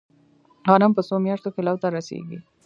غنم په څو میاشتو کې لو ته رسیږي؟